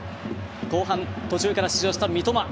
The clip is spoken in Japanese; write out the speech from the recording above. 後半、途中から出場した三笘。